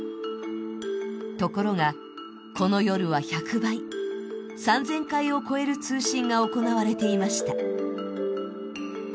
ところが、この夜は１００倍、３０００回を超える通信が行われていました。